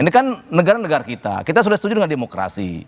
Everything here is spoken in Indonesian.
ini kan negara negara kita kita sudah setuju dengan demokrasi